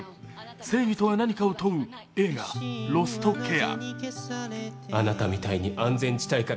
正義とは何かを問う、映画「ロストケア」。